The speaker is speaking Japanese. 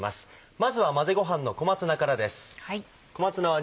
まずは混ぜごはんの小松菜からです。